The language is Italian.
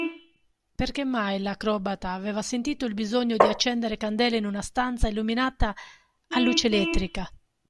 Perché mai l'acrobata aveva sentito il bisogno di accendere candele in una stanza illuminata a luce elettrica?